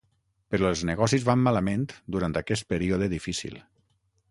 Però els negocis van malament durant aquest període difícil.